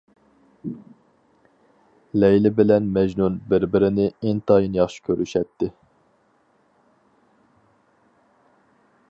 لەيلى بىلەن مەجنۇن بىر-بىرىنى ئىنتايىن ياخشى كۆرۈشەتتى.